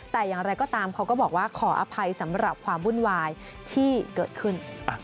แต่อย่างไรก็ตามเขาก็บอกว่าขออภัยสำหรับความวุ่นวายที่เกิดขึ้น